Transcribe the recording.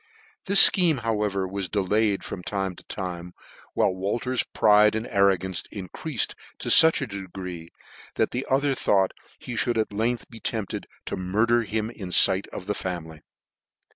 This fcheme, however, he delayed from time to time, while Wolter's pride and arrogance en creafed to fuch a degree, that ihe other thought he fhould at length be tempted to murder him in light of the family.